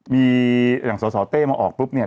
มีอย่างสสเต้มาออกปุ๊บเนี่ย